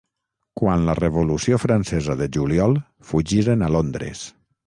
Quan la Revolució francesa de Juliol fugiren a Londres.